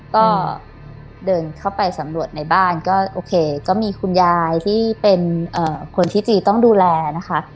ก็เดินเข้าไปสำรวจในบ้านก็โอเคก็มีคุณยายที่เป็นคนที่จีต้องดูแลนะคะ